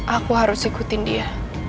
aku harus ikutin dia